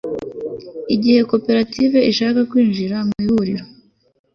igihe koperative ishaka kwinjira mu ihuriro